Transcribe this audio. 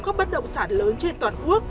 các bất động sản lớn trên toàn quốc